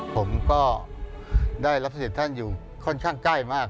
ผมก็ได้รับเสด็จท่านอยู่ค่อนข้างใกล้มาก